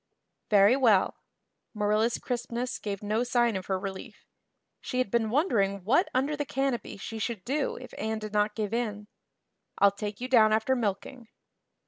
"Very well." Marilla's crispness gave no sign of her relief. She had been wondering what under the canopy she should do if Anne did not give in. "I'll take you down after milking."